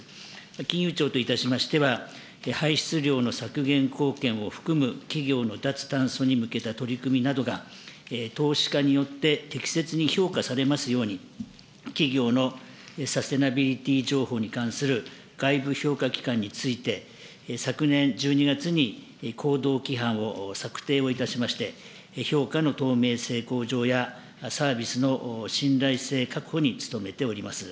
金融庁といたしましては、排出量の削減貢献を含む企業の脱炭素に向けた取り組みなどが投資家によって、適切に評価されますように、企業のサステナビリティ情報に関する外部評価機関について、昨年１２月に行動規範を策定をいたしまして、評価の透明性向上やサービスの信頼性確保に努めております。